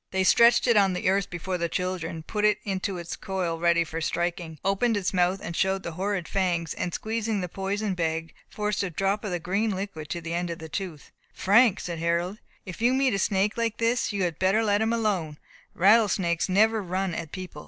They stretched it on the earth before the children; put it into its coil ready for striking; opened its mouth; showed the horrid fangs; and squeezing the poison bag, forced a drop of the green liquid to the end of the tooth. "Frank," said Harold, "if you meet a snake like this, you had better let him alone. Rattle snakes never run at people.